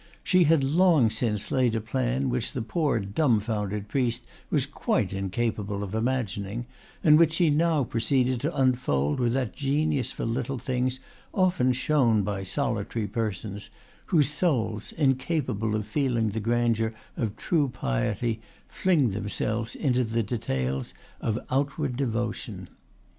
She had long since laid a plan which the poor dumbfounded priest was quite incapable of imagining, and which she now proceeded to unfold with that genius for little things often shown by solitary persons, whose souls, incapable of feeling the grandeur of true piety, fling themselves into the details of outward devotion.